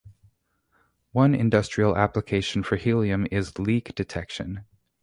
One industrial application for helium is leak detection.